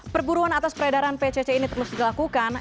perburuan atas peredaran pcc ini terus dilakukan